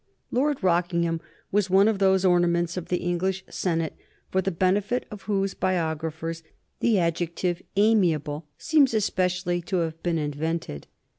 Lord Rockingham was one of those ornaments of the English senate for the benefit of whose biographers the adjective amiable seems especially to have been invented.